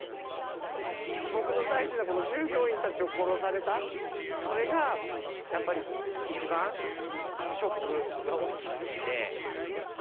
僕の大事なこの従業員たちを殺された、それがやっぱり一番ショックが大きすぎて。